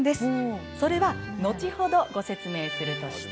それは後ほどご説明するとして。